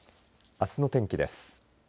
あすの天気です。